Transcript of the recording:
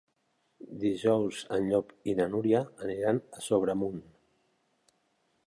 Dijous en Llop i na Núria aniran a Sobremunt.